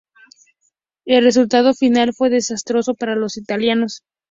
El resultado final fue desastroso para los italianos.